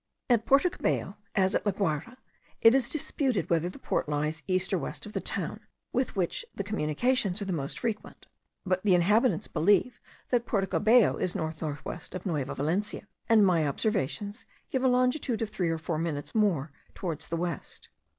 At Porto Cabello, as at La Guayra, it is disputed whether the port lies east or west of the town, with which the communications are the most frequent. The inhabitants believe that Porto Cabello is north north west of Nueva Valencia; and my observations give a longitude of three or four minutes more towards the west.